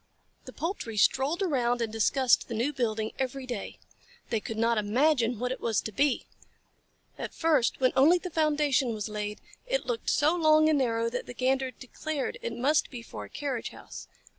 The poultry strolled around and discussed the new building every day. They could not imagine what it was to be. At first, when only the foundation was laid, it looked so long and narrow that the Gander declared it must be for a carriage house.